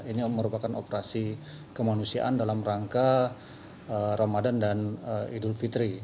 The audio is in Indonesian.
ini merupakan operasi kemanusiaan dalam rangka ramadan dan idul fitri